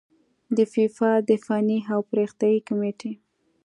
د فیفا د فني او پراختیايي کميټې